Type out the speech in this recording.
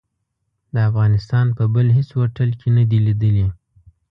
د افغانستان په بل هيڅ هوټل کې نه دي ليدلي.